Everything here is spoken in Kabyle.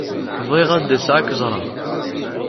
Bɣiɣ ad d-aseɣ ad k-ẓreɣ.